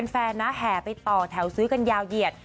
แฟนนะแห่ไปต่อแถวซื้อกันยาวเหยียด